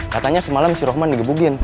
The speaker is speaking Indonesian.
katanya semalam si roman digebukin